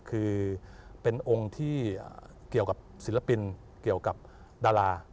คือเป็นองค์ที่เกี่ยวกับศิลปินเกี่ยวกับดารา